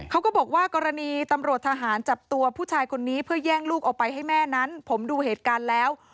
เขาก็บอกว่ากรณีตำรวจทหารจับตัวผู้ชายคนนี้เพื่อแย่งลูกออกไปให้แม่นั้นผมดูเหตุการณ์แล้ว